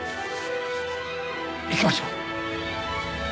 行きましょう！